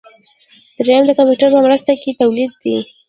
دریم د کمپیوټر په مرسته تولید دی.